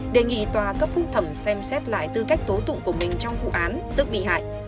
đề nghị tòa cấp phúc thẩm xem xét lại tư cách tố tụng của mình trong vụ án tức bị hại